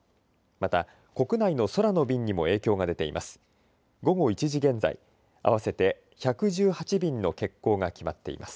また国内の空の便にも影響が出ています。